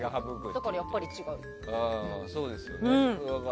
だからやっぱり違う。